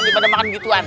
daripada makan gituan